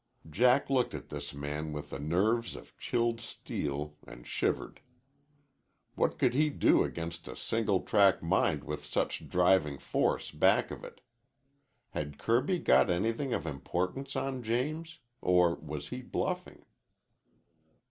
Jack looked at this man with the nerves of chilled steel and shivered. What could he do against a single track mind with such driving force back of it? Had Kirby got anything of importance on James? Or was he bluffing?